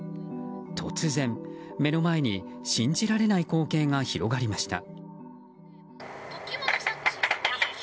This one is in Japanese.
突然、目の前に信じられない光景が広がりました。